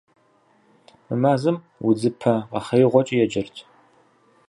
Мы мазэм удзыпэ къэхъеигъуэкӀи еджэрт.